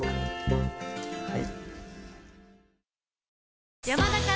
はい。